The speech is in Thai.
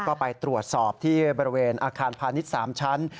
ก็ไปตรวจสอบที่บริเวณอาคารพาณิชย์๓ชั้น